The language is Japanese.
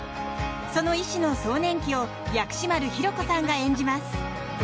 その医師の壮年期を薬師丸ひろ子さんが演じます。